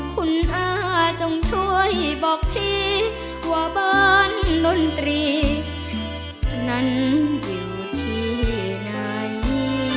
คุณอาจงช่วยบอกทีว่าบ้านดนตรีนั้นอยู่ที่ไหน